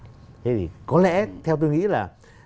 thế thì có lẽ theo tôi nghĩ là